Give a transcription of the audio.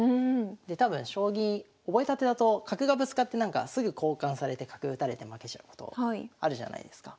で多分将棋覚えたてだと角がぶつかってなんかすぐ交換されて角打たれて負けちゃうことあるじゃないですか。